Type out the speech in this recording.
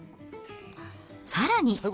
さらに。